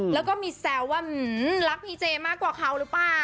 แล้วก็มีแซวว่ารักพีเจมากกว่าเขาหรือเปล่า